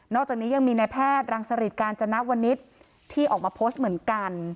อกจากนี้ยังมีในแพทย์รังสริตกาญจนวนิษฐ์ที่ออกมาโพสต์เหมือนกัน